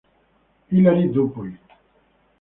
Hilaire Dupuy.